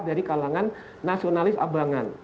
dari kalangan nasionalis abangan